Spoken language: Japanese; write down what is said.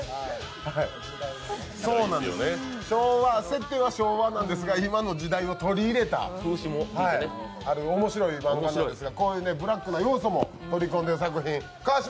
設定は昭和なんですが今の時代を取り入れた、面白い漫画なんですが、こういうブラックな要素も取り込んでいる作品。